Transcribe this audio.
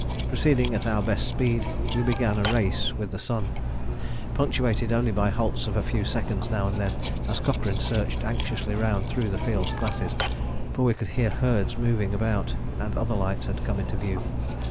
Proceeding at our best speed, we began a race with the sun, punctuated only by halts of a few seconds now and then as Cochrane searched anxiously round through the field glasses; for we could hear herds moving about, and other lights had come into view.